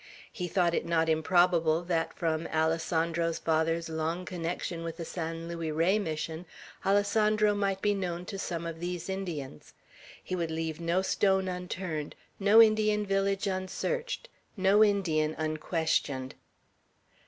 He thought it not improbable that, from Alessandro's father's long connection with the San Luis Rey Mission, Alessandro might be known to some of these Indians. He would leave no stone unturned; no Indian village unsearched; no Indian unquestioned.